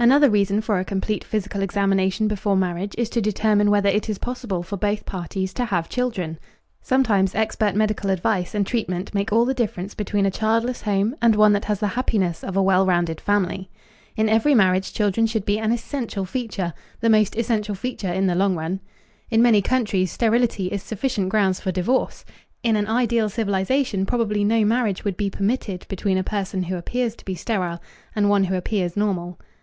Another reason for a complete physical examination before marriage is to determine whether it is possible for both parties to have children. Sometimes expert medical advice and treatment make all the difference between a childless home and one that has the happiness of a well rounded family. In every marriage children should be an essential feature the most essential feature in the long run. In many countries sterility is sufficient grounds for divorce. In an ideal civilization probably no marriage would be permitted between a person who appears to be sterile and one who appears normal.